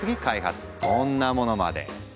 こんなものまで。